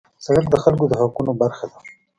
سړک د خلکو د حقونو برخه ده.